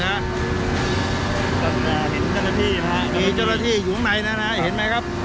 ก็เห็นเจ้าหน้าที่นะฮะมีเจ้าหน้าที่อยู่ข้างในนะฮะเห็นไหมครับ